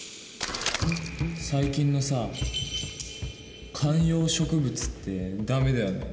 最近のさ観葉植物ってダメだよね。